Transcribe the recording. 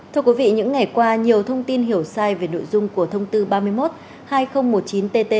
thưa quý vị những ngày qua nhiều thông tin hiểu sai về nội dung của thông tư ba mươi một hai nghìn một mươi chín tt